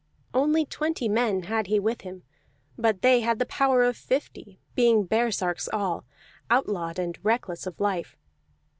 Only twenty men had he with him, but they had the power of fifty, being baresarks all, outlawed and reckless of life.